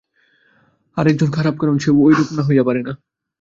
আর একজন খারাপ, কারণ সেও ঐরূপ না হইয়া পারে না।